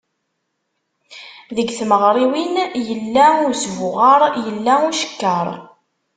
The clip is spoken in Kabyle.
Deg tmeɣriwin, yella usbuɣer, yella ucekker.